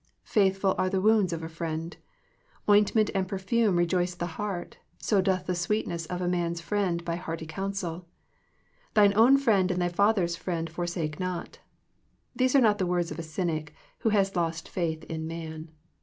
Faithful are the wounds of a friend. Ointment and perfume re joice the heart, so doth the sweetness of a man's friend by hearty counsel. Thine own friend and thy father's friend for sake not." These are not the words of a cynic, who has lost faith ip man.